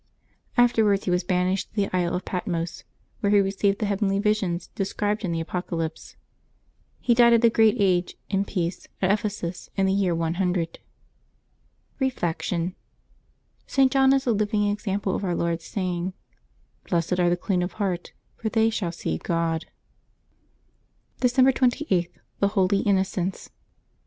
Afterwards he was banished to the isle of Patmos, where he received the heavenly visions described in the Apocalypse. He died at a great age, in peace, at Ephesus, in the year 100. Reflection. — St. John is a living example of Our Lord's saying, " Blessed are the clean of heart, for they shall see God," December 28.— THE HOLY INNOCENTS.